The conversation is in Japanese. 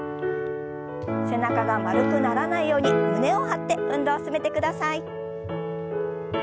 背中が丸くならないように胸を張って運動を進めてください。